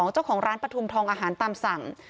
เจ้าของร้านปฐุมทองอาหารตามสั่ง